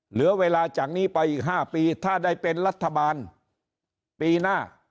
เหลือเวลาจากนี้ไปอีก๕ปีถ้าได้เป็นรัฐบาลปีหน้า